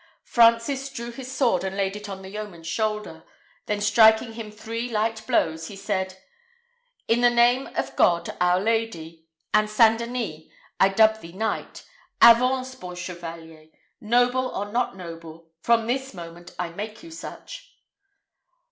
Francis drew his sword, and laid it on the yeoman's shoulder; then striking him three light blows, he said, "In the name of God, our Lady, and St. Denis, I dub thee knight. Avance, bon chevalier! Noble or not noble, from this moment I make you such."